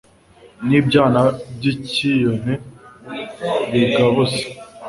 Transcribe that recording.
n'ibyana by'icyiyone bigabuza